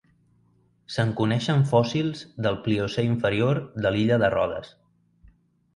Se'n coneixen fòssils del Pliocè inferior de l'illa de Rodes.